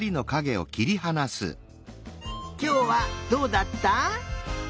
きょうはどうだった？